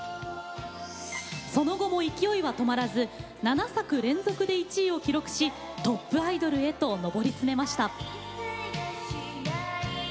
その後も勢いは止まらず７作連続で１位を記録しトップアイドルへと上り詰めました。